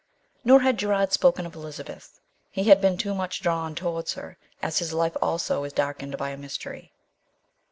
Nor had Gerard spoken of Elizabeth; he had been too much drawn towards her, as his life also is darkened by a mystery.